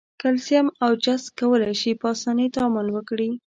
کلسیم او جست کولای شي په آساني تعامل وکړي.